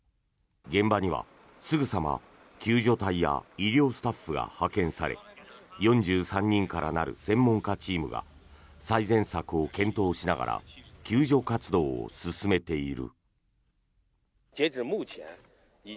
現場にはすぐさま救助隊や医療スタッフが派遣され４３人からなる専門家チームが最善策を検討しながら救助活動を進めている。